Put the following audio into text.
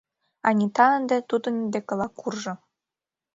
Анита ынде тудын декыла куржо.